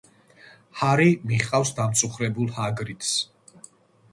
ჰარი მიჰყავს დამწუხრებულ ჰაგრიდს.